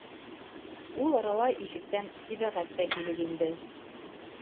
Ул арала ишектән Сибәғәт тә килеп инде.